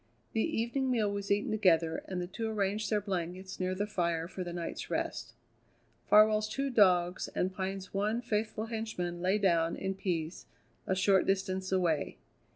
The evening meal was eaten together, and the two arranged their blankets near the fire for the night's rest. Farwell's two dogs and Pine's one faithful henchman lay down in peace a short distance away.